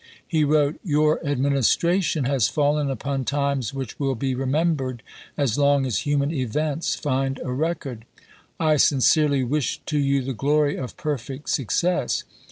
He wrote :" Your Administration has fallen upon times which will be remembered as long as human events find a record. I sincerely wish to you the glory of perfect success.